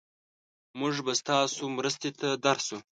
مونږ به ستاسو مرستې ته درشو.